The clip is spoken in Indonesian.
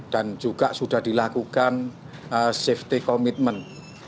dan juga sudah dilakukan safety commitment